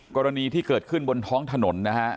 กรณีที่เกิดขึ้นบนท้องถนนนะฮะ